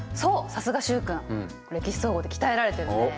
さすが習君「歴史総合」で鍛えられてるね。